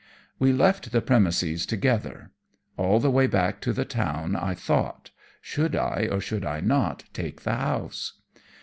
We left the premises together. All the way back to the town I thought should I, or should I not, take the house?